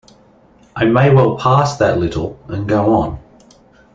I may well pass that little and go on.